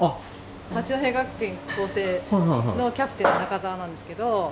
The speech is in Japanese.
八戸学院光星のキャプテン、中澤なんですけど。